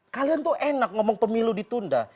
kalian tuh enak ngomong pemilu ditunda